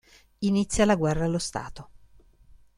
Inizia la guerra allo Stato.